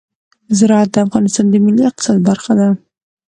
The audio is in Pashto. زراعت د افغانستان د ملي اقتصاد برخه ده.